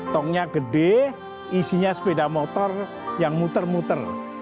tongnya gede isinya sepeda motor yang muter muter